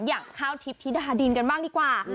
อย่างข้าวทิพย์ธิดาดินกันบ้างดีกว่า